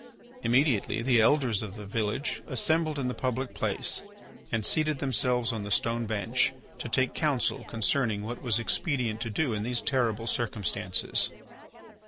Immediately the Elders of the village assembled in the public place and seated themselves on the stone bench to take counsel concerning what it was expedient to do in these terrible circumstances.